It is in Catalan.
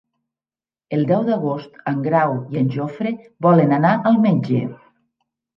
El deu d'agost en Grau i en Jofre volen anar al metge.